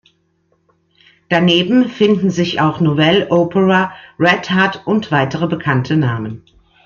Daneben finden sich auch Novell, Opera, Red Hat und weitere bekannte Namen.